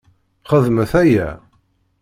Xedmet aya!